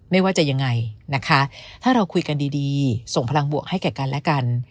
ไม่ว่าจะยังไงนะคะถ้าเราคุยกันดีส่งพลังบวกให้แก่กันและกัน